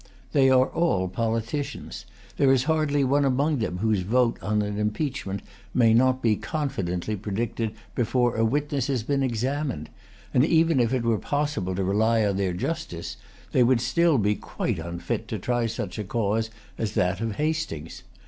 They are all politicians. There is hardly one among them whose vote on an impeachment may not be confidently predicted before a witness has been examined; and, even if it were possible to rely on their justice, they would still be quite unfit to try such a cause as that of Hastings.